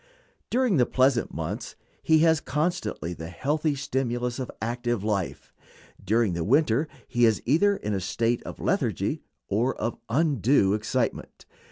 During the pleasant months he has constantly the healthy stimulus of active life; during the winter he is either in a state of lethargy or of undue excitement.